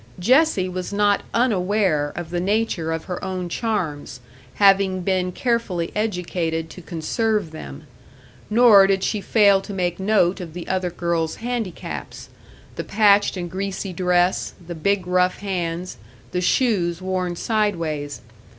Jessie was not unaware of the nature of her own charms, having been carefully educated to conserve them; nor did she fail to make note of the other girl's handicaps the patched and greasy dress, the big rough hands, the shoes worn sideways.